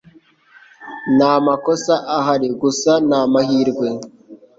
Nta makosa ahari, gusa ni amahirwe.”